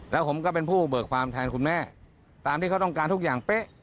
แล้วผมก็เป็นผู้เบิกความแทนคุณแม่ตามที่เขาต้องการทุกอย่างเป๊ะ